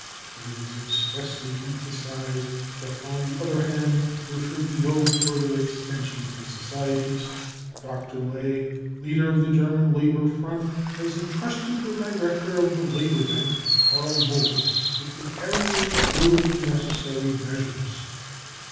But it is expressly emphasised that on the other hand there should be no further extension of the societies. ... Dr. Ley, leader of the German Labour Front, has entrusted the director of the Labour Bank, Karl Muller, with the carrying through of the necessary measures.